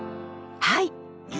はい。